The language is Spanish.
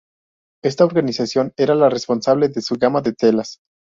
En esta organización era la responsable de su gama de telas.